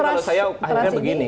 kalau saya akhirnya begini